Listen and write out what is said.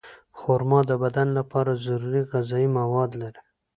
خرما د بدن لپاره ضروري غذایي مواد لري.